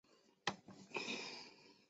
没有详尽的证据来证明上述假说。